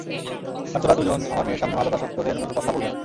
আর তোরা দুজন আমার মেয়ের সামনে মাদকাসক্তদের মতো কথা বলবে না।